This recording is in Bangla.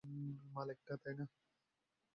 মাল একটা, তাই না?